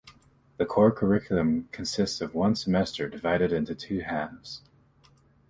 The core curriculum consists of one semester, divided into two halves.